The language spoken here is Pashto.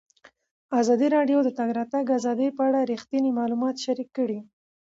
ازادي راډیو د د تګ راتګ ازادي په اړه رښتیني معلومات شریک کړي.